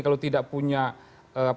kalau tidak punya roadmap